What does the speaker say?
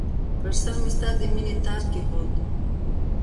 پر سرمې ستا د مییني تاج کښېښود